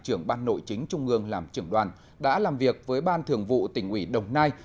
trưởng ban nội chính trung ương làm trưởng đoàn đã làm việc với ban thường vụ tỉnh ủy đồng nai